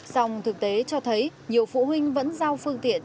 song thực tế cho thấy nhiều phụ huynh vẫn giao phương tiện